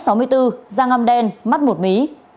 cao một m sáu mươi bốn da ngăm đen mắt một mí